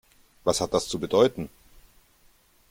Was hat das zu bedeuten?